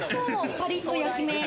パリッと焼き目。